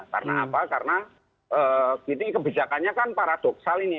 karena apa karena kebijakannya kan paradoksal ini